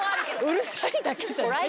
うるさいだけじゃないよ。